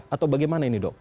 atau bagaimana ini dok